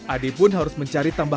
ade pun harus mencari jalan